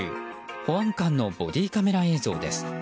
保安官のボディーカメラ映像です。